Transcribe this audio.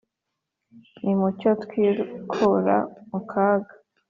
Nimucyo twikura mu kaga !